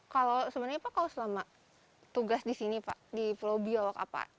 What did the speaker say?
kalau sebenarnya pak kalau selama tugas di sini pak di pulau biowak apa